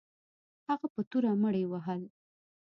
هغه په توره مړي وهل.